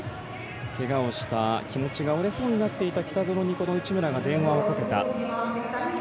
けがをした、気持ちが折れそうになっていた北園にこの内村が電話をかけた。